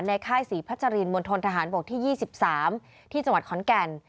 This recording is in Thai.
ค่ายศรีพัชรินมณฑนทหารบกที่๒๓ที่จังหวัดขอนแก่น